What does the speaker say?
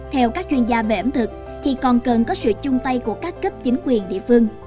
theo các chuyên gia về ẩm thực thì còn cần có sự chung tay của các cấp chính quyền địa phương